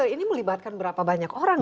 ini melibatkan berapa banyak orang